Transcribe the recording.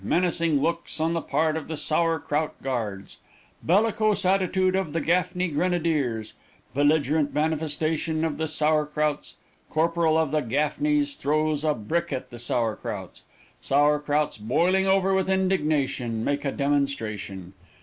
Menacing looks on the part of the Sour Krout Guards. Bellicose attitude of the Gaffney Grenadiers. Belligerent manifestation of the Sour Krouts; corporal of the Gaffneys throws a brick at the Sour Krouts. Sour Krouts boiling over with indignation, make a demonstration.